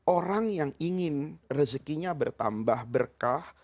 orang yang ingin rezekinya bertambah berkah